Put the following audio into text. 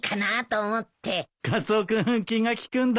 カツオ君気が利くんだねえ。